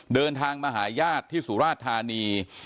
เดินทางมาหาญาติที่สุราชธานี